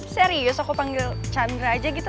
serius aku panggil chandra aja gitu